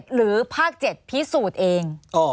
หรือภาค๗พิสูจน์เอง